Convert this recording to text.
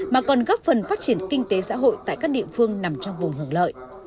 mà còn góp phần phát triển kinh tế xã hội tại các địa phương nằm trong vùng hưởng lợi